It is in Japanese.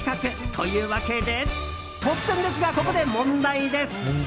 というわけで突然ですが、ここで問題です。